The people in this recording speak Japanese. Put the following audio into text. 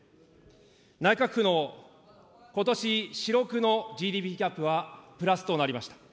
内閣府のことし４ー６のＧＤＰギャップはプラスとなりました。